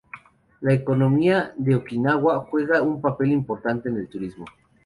La economía de Okinawa juega un papel importante en el turismo.